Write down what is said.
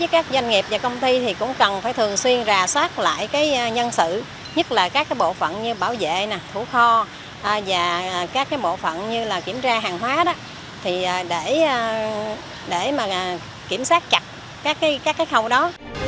các bộ phận như bảo vệ thủ kho và các bộ phận như kiểm tra hàng hóa để kiểm soát chặt các khẩu đó